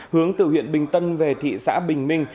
hướng từ huyện bình tân về thị xã bình minh